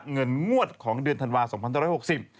เงินงวดของเดือนธนวาคม๒๐๖๐